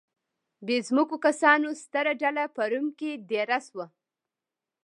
بې ځمکو کسانو ستره ډله په روم کې دېره شوه